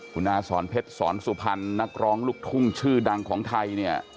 คุณอาสอนเพชรสอนสุพรรณนักร้องลูกทุ่งชื่อดังของไทยเนี่ย